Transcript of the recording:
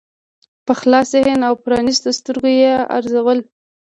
په خلاص ذهن او پرانیستو سترګو یې ارزول.